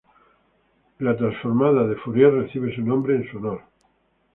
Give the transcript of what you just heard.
La transformada de Fourier recibe su nombre en su honor.